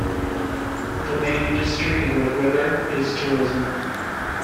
The main industry in Red River is tourism.